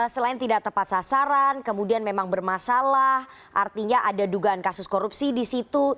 selain tidak tepat sasaran kemudian memang bermasalah artinya ada dugaan kasus korupsi di situ